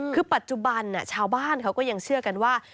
คือปัจจุบันชาวบ้านเขาก็ยังเชื่อกันว่า